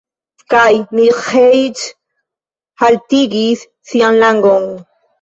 Kaj Miĥeiĉ haltigis sian langon.